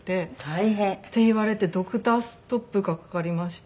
大変。って言われてドクターストップがかかりまして。